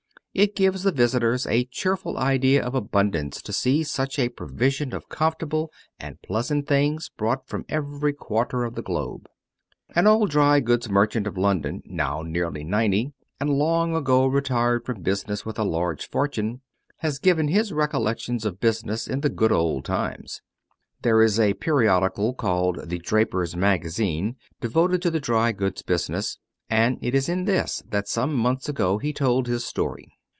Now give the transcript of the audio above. It gives the visitor a cheerful idea of abundance to see such a provision of comfortable and pleasant things brought from every quarter of the globe. An old dry goods merchant of London, now nearly ninety, and long ago retired from business with a large fortune, has given his recollections of business in the good old times. There is a periodical, called the "Draper's Magazine," devoted to the dry goods business, and it is in this that some months ago he told his story.